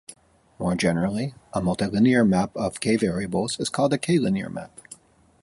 More generally, a multilinear map of "k" variables is called a "k"-linear map.